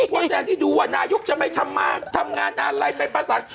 ว่าแทนที่ดูว่านายกจะไปทำงานอะไรไปประสาน